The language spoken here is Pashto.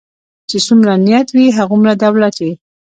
چی څومره نيت وي هغومره دولت وي .